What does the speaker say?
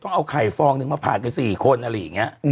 เอาไข่ฟองนึงมาผ่านกัน๔คนอะไรอย่างนี้